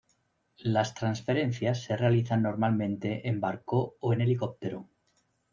Las transferencias se realizan normalmente en barco o en helicóptero.